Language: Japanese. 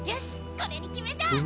これに決めた！